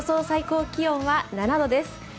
最高気温は７度です。